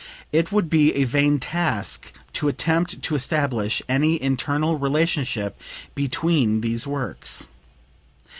It would be a vain task to attempt to establish any internal relationship between these works.